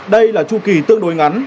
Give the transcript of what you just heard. đây là chu kỳ tương đối ngắn